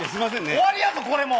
終わりだぞこれ、もう。